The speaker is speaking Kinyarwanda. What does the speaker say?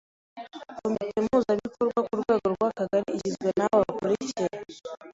Komite Mpuzabikorwa ku rwego rw’Akagari igizwe n’aba bakurikira: